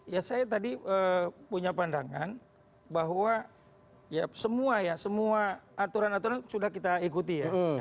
ya saya tadi punya pandangan bahwa semua aturan aturan sudah kita ikuti